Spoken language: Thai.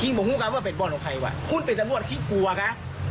คิงบอกคุณกันว่าเป็นบ่อนของใครวะคุณเป็นตำรวจคิงกลัวค่ะ